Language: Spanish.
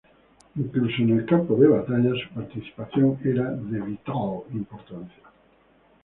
Incluso en el campo de batalla su participación era de vital importancia.